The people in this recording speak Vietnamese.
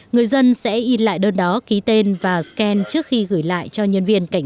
người dân sẽ in lại đơn đó ký tên và scan trước khi gửi lại cho nhân viên cảnh